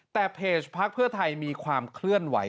แต่เพจพักเพื่อไทยมีความเคลื่อนไหว